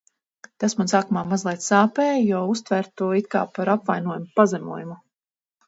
Tas man sākumā mazliet sāpēja, jo uztvēru to it kā par apvainojumu, pazemojumu.